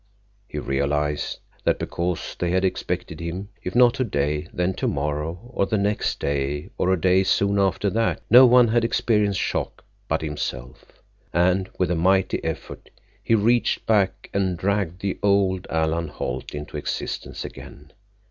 He realized that because they had expected him, if not today then tomorrow or the next day or a day soon after that, no one had experienced shock but himself, and with a mighty effort he reached back and dragged the old Alan Holt into existence again.